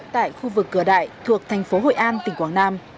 tại khu vực cửa đại thuộc thành phố hội an tỉnh quảng nam